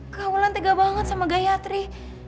keraulan tega banget sama gayatri